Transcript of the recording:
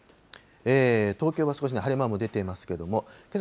東京は少し晴れ間も出ていますけれども、けさ